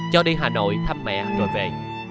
cho đi hà nội thăm mẹ rồi về